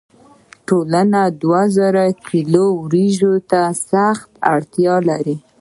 ټولنه دوه زره کیلو وریجو ته سخته اړتیا لري.